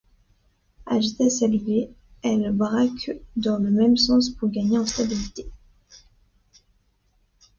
À vitesse élevée, elles braquent dans le même sens pour gagner en stabilité.